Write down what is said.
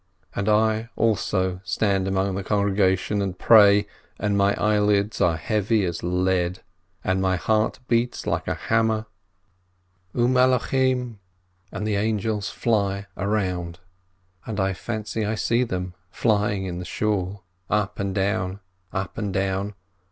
.. And I also stand among the congregation and pray, and my eyelids are heavy as lead, and my heart beats like a hammer. "U Malochim yechofezun — and the angels fly around." And I fancy I see them flying in the Shool, up and down, up and down.